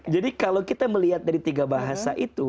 jadi kalau kita melihat dari tiga bahasa itu